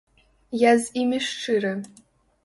Я з імі шчыры.